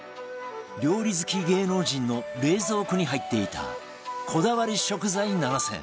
料理好き芸能人の冷蔵庫に入っていたこだわり食材７選